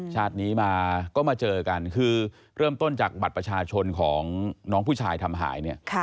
ชาตินี้มาก็มาเจอกันคือเริ่มต้นจากบัตรประชาชนของน้องผู้ชายทำหายเนี่ย